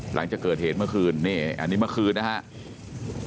หลังจากเกิดเหตุเมื่อคืนนี่อันนี้เมื่อคืนนะครับ